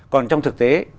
còn trong thực tế